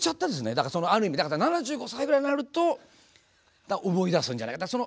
だからある意味７５歳ぐらいになると思い出すんじゃないかな。